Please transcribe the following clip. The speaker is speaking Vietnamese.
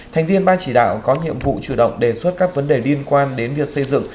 thành viên ban chỉ đạo có nhiệm vụ chủ động đề xuất các vấn đề liên quan đến việc xây dựng